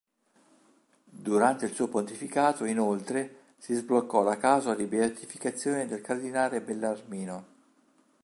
Durante il suo pontificato, inoltre, si sbloccò la causa di beatificazione del cardinale Bellarmino.